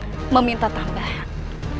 kami meminta tambahan